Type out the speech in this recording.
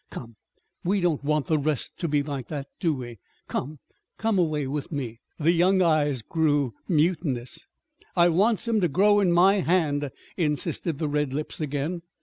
Come, we don't want the rest to be like that, do we? Come! Come away with me." The young eyes grew mutinous. "I wants 'em to grow in my hand," insisted the red lips again.